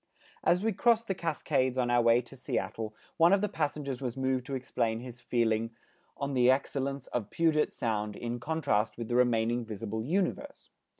As we crossed the Cascades on our way to Seattle, one of the passengers was moved to explain his feeling on the excellence of Puget Sound in contrast with the remaining visible Universe.